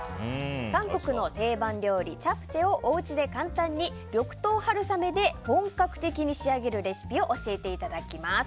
韓国の定番料理チャプチェをおうちで簡単に緑豆春雨で本格的に仕上げるレシピを教えていただきます。